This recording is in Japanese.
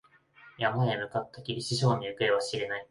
山に向かったきり、師匠の行方は知れない。